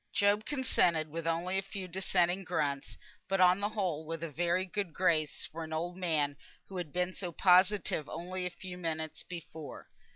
Job consented with only a few dissenting grunts; but on the whole, with a very good grace for an old man who had been so positive only a few minutes before.